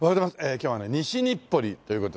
今日はね西日暮里という事で。